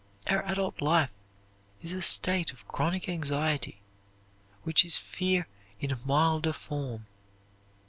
Our adult life is a state of chronic anxiety, which is fear in a milder form.